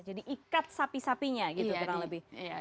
jadi ikat sapi sapinya gitu kurang lebih